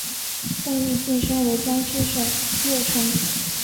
邓愈晋升为江西行省右丞。